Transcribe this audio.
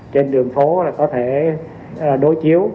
trên đường phố